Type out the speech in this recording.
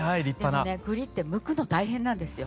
でもね栗ってむくの大変なんですよ。